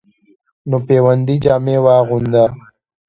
نو پیوندي جامې واغوندۀ،